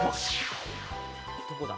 どこだ？